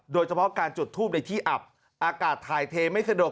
โดยเฉพาะการจุดทูปในที่อับอากาศถ่ายเทไม่สะดวก